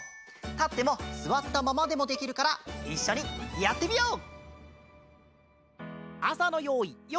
たってもすわったままでもできるからいっしょにやってみよう！